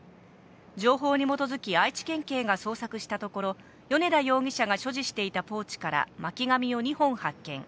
情報に基づき愛知県警が捜索したところ、米田容疑者が所持していたポーチから巻き紙を２本発見。